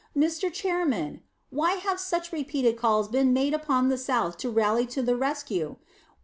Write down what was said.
Mr. Chairman, why have such repeated calls been made upon the South to rally to the rescue?